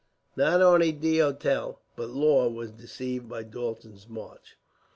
Not only D'Auteuil, but Law, was deceived by Dalton's march.